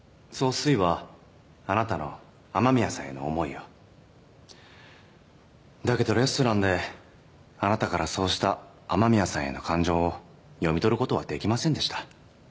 すいはあなたの雨宮さんへの思いをだけどレストランであなたからそうした雨宮さんへの感情を読み取ることはできませんでした